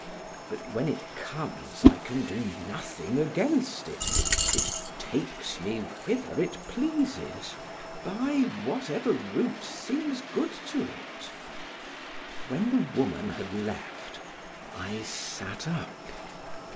But when it comes I can do nothing against it. It takes me whither it pleases by whatever route seems good to it. When the woman had left, I sat up.